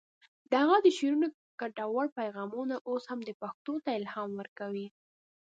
د هغه د شعرونو ګټور پیغامونه اوس هم پښتنو ته الهام ورکوي.